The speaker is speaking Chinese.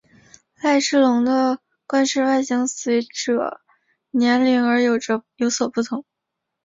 赖氏龙的冠饰外形随者年龄而有所不同。